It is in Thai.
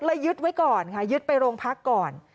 ยึดไว้ก่อนค่ะยึดไปโรงพักก่อน